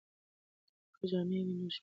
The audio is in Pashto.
که جمع وي نو شمېر نه کمیږي.